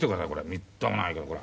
みっともないけどこれ。